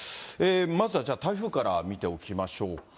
まずは台風から見ておきましょうか。